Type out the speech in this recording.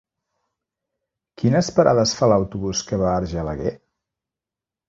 Quines parades fa l'autobús que va a Argelaguer?